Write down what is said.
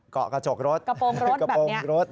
เกาะกระจกรถกระโปรงรถแบบนี้